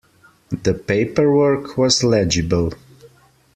The paperwork was legible.